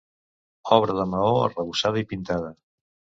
Obra de maó arrebossada i pintada.